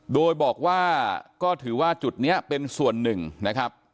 โดยบอกว่าก็ถือว่าจุดนี้เป็นส่วนหนึ่งนะครับ